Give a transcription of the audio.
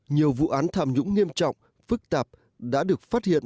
nhiều vụ án tham nhũng nghiêm trọng phức tạp đã được phát hiện